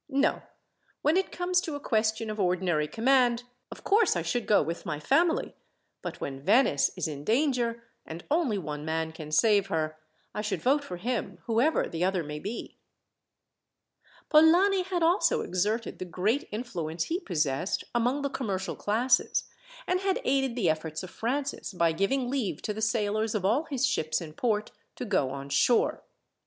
No. When it comes to a question of ordinary command, of course I should go with my family; but when Venice is in danger, and only one man can save her, I should vote for him, whoever the other may be." Polani had also exerted the great influence he possessed among the commercial classes, and had aided the efforts of Francis, by giving leave to the sailors of all his ships in port to go on shore.